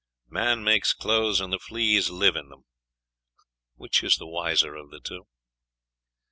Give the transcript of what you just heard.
Man makes clothes, and the fleas live in them.... Which is the wiser of the two?....